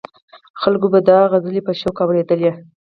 خلکو به دا سندرې په شوق اورېدلې.